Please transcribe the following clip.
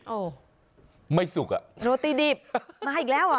โอ้ไม่สุกอ่ะโรตีดิบมาอีกแล้วเหรอ